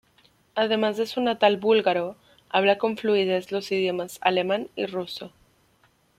Además de su natal búlgaro, habla con fluidez los idiomas alemán y ruso.